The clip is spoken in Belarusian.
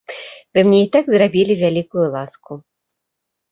Вы мне і так зрабілі вялікую ласку.